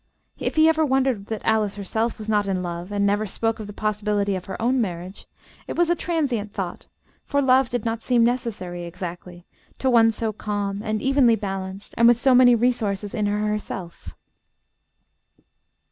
If he ever wondered that Alice herself was not in love and never spoke of the possibility of her own marriage, it was a transient thought for love did not seem necessary, exactly, to one so calm and evenly balanced and with so many resources in her herself.